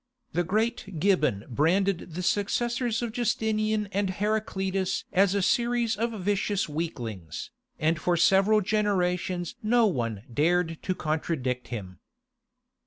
The great Gibbon had branded the successors of Justinian and Heraclius as a series of vicious weaklings, and for several generations no one dared to contradict him.